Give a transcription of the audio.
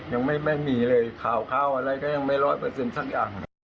ยังไม่มีเลยข่าวอะไรก็ยังไม่ร้อยเปอร์เซ็นต์สักอย่าง